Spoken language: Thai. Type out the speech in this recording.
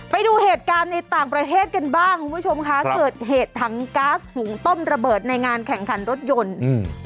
ไปดูเหตุการณ์ในต่างประเทศกันบ้างคุณผู้ชมค่ะเกิดเหตุถังก๊าซหุงต้มระเบิดในงานแข่งขันรถยนต์อืม